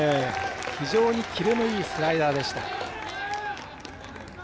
非常にキレのいいスライダーでした。